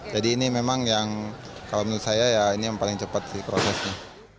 jadi ini memang yang kalau menurut saya ya ini yang paling cepat sih prosesnya